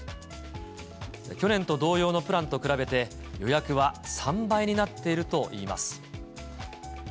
去年と同様のプランと比べて予約は３倍になっているといいます。